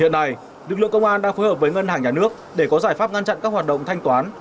hiện nay lực lượng công an đang phối hợp với ngân hàng nhà nước để có giải pháp ngăn chặn các hoạt động thanh toán